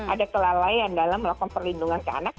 ada kelalaian dalam melakukan perlindungan ke anak